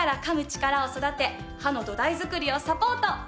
チカラを育て歯の土台作りをサポート！